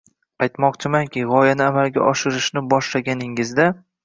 Aytmoqchimanki, gʻoyani amalga oshirishni boshlaganingizda